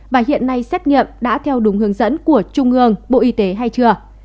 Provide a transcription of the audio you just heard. và hiện nay xét nghiệm đã theo đúng hướng dẫn của trung ương bộ y tế hay chưa